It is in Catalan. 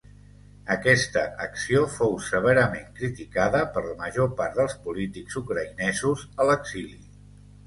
Aquesta acció fou severament criticada per la major part dels polítics ucraïnesos a l'exili.